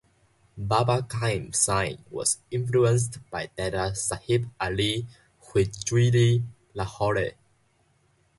Baba Qaim Sain was influenced by Data Sahib Ali Hujwiri Lahore.